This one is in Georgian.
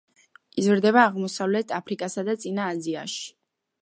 იზრდება აღმოსავლეთ აფრიკასა და წინა აზიაში.